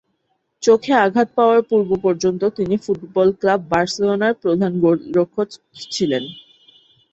চোখে আঘাত পাওয়ার পূর্ব পর্যন্ত তিনি ফুটবল ক্লাব বার্সেলোনার প্রধান গোলরক্ষক ছিলেন।